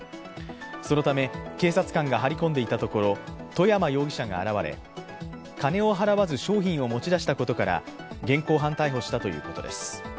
そのため、警察官が張り込んでいたところ外山容疑者が現れ金を払わず商品を持ち出したことから現行犯逮捕したということです。